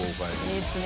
いいですね。